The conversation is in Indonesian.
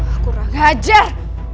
aku kurang ajar